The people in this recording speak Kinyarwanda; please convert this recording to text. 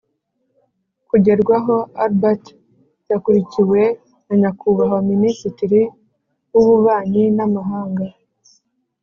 kugerwaho Albert yakurikiwe na Nyakubahwa Minisitiri w Ububanyi n Amahanga